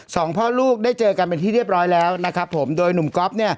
สองพ่อลูกได้เจอกันเป็นทีเรียบร้อยแล้วโดยนุ่มก๊อบ